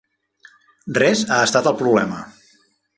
Res ha estat el problema.